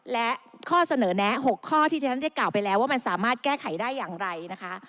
และข้อเสนอแนะ๖ข้อที่ฉันได้กล่าวไปแล้วว่ามันสามารถแก้ไขได้อย่างไรนะคะ